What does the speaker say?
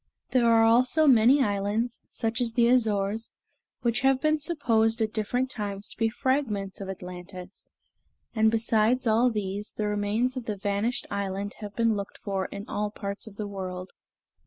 There are also many islands, such as the Azores, which have been supposed at different times to be fragments of Atlantis; and besides all this, the remains of the vanished island have been looked for in all parts of the world.